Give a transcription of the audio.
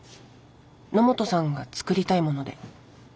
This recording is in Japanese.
野本さんが作りたいもので」。